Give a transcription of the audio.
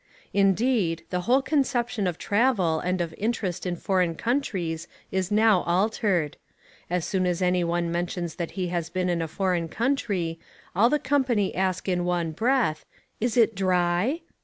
Indeed, the whole conception of travel and of interest in foreign countries is now altered: as soon as any one mentions that he has been in a foreign country, all the company ask in one breath, "Is it dry?"